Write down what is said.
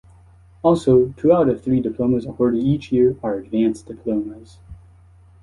Also, two out of three diplomas awarded each year are advanced diplomas.